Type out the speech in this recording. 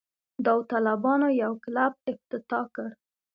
داوطلبانو یو کلب افتتاح کړ.